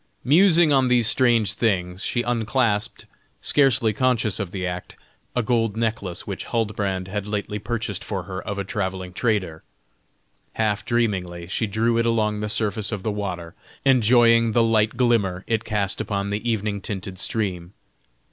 Musing on these strange things, she unclasped, scarcely conscious of the act, a gold necklace, which Huldbrand had lately purchased for her of a travelling trader; half dreamingly she drew it along the surface of the water, enjoying the light glimmer it cast upon the evening tinted stream.